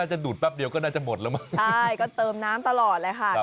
จะดูเบอร์เดียวก็ได้จะหมดนะม่าวให้ก็เติมน้ำตลอดแล้วค่ะ